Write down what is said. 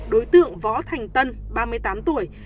đối tượng võ thành tân ba mươi tám tuổi